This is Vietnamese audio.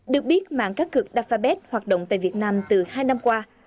được biết mạng cá cược đặt phai bét hoạt động tại việt nam từ hai năm qua